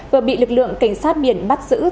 vừa bị lực lượng cảnh sát biển bắt giữ